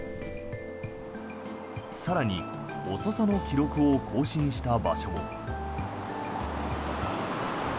更に遅さの記録を更新した場所も。